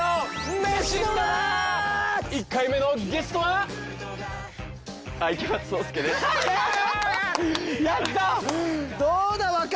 １回目のゲストは。イェイ！